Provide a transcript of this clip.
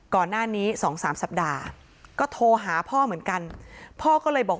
ก่อนหน้านี้๒๓สัปดาห์ก็โทรหาพ่อเหมือนกันพ่อก็เลยบอก